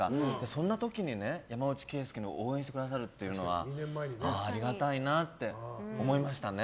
そんな時に山内惠介を応援してくださるというのはありがたいなって思いましたね。